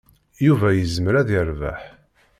Yuba yezmer ad yerbeḥ.